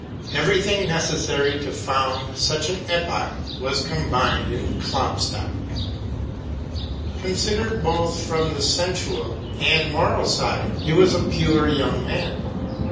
Every thing requisite for founding such an epoch was combined in Klopstock. Considered, both from the sensual and moral side, he was a pure young man.